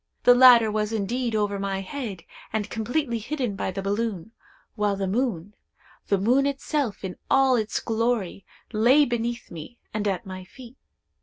The latter was indeed over my head, and completely hidden by the balloon, while the moon—the moon itself in all its glory—lay beneath me, and at my feet.